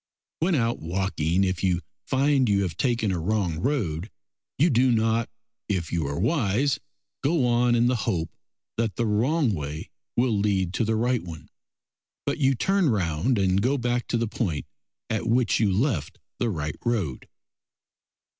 When out walking, if you find you have taken a wrong road you do not, if you are wise, go on in the hope that the wrong way will lead to the right one, but you turn round and go back to the point at which you left the right road.